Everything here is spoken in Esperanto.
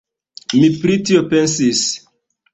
Mi pri tio pensis.